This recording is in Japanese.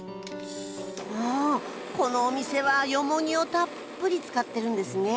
おこのお店はよもぎをたっぷり使ってるんですね。